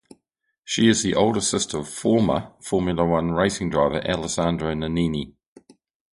She is the older sister of former Formula One racing driver Alessandro Nannini.